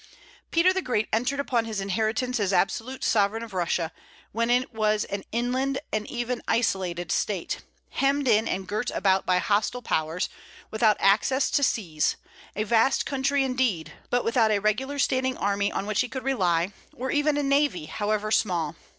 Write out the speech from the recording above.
Peter the Great entered upon his inheritance as absolute sovereign of Russia, when it was an inland and even isolated state, hemmed in and girt around by hostile powers, without access to seas; a vast country indeed, but without a regular standing army on which he could rely, or even a navy, however small.